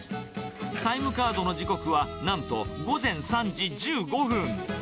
タイムカードの時刻は、なんと午前３時１５分。